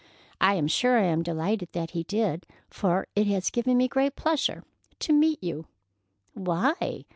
I am sure I am delighted that he did, for it has given me great pleasure to meet you." "Why?"